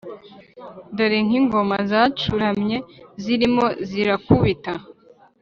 dore nkingoma zacuramye, zirimo zirakubita